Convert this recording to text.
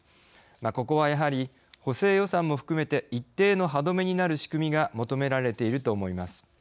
ここは、やはり補正予算も含めて一定の歯止めになる仕組みが求められていると思います。